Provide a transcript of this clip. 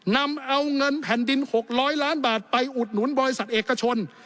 นำเอาเงินแผ่นดิน๖๐๐ล้านบาทไปอุดหนุนบริษัทเอกชน